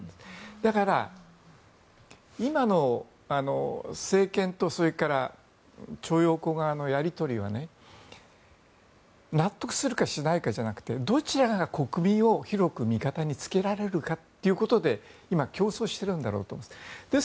だから、今の政権とそれから徴用工側のやり取りは納得するかしないかじゃなくてどちらが国民を広く味方につけられるかということで今、競争しているんだろうと思うんです。